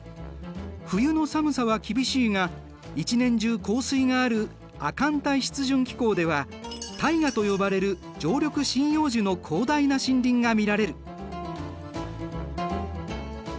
冬の寒さは厳しいが一年中降水がある亜寒帯湿潤気候ではタイガと呼ばれる常緑針葉樹の広大な森林が見られる。